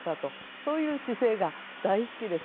そういう姿勢が大好きです。